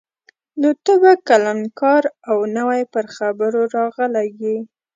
نو ته به کلنکار او نوی پر خبرو راغلی یې.